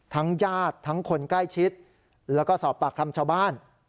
ญาติทั้งคนใกล้ชิดแล้วก็สอบปากคำชาวบ้าน